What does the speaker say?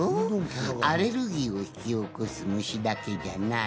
アレルギーを引き起こす虫だけじゃない！